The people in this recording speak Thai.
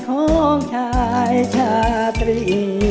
ของใจชะตรี